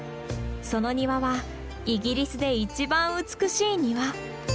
その庭はイギリスで一番美しい庭。